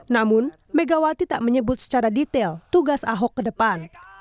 namun megawati tak menyebut secara detail tugas ahok ke depan